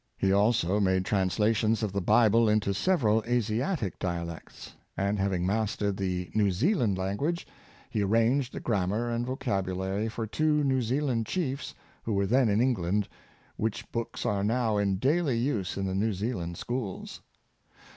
He also made translations of the Bible into several Asiatic dia lects; and having mastered the New Zealand language, he arranged a grammar and vocabulary for two New Zealand chiefs who were then in England, which books are now in daily use in the New Zealand schools.